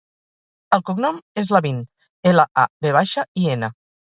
El cognom és Lavin: ela, a, ve baixa, i, ena.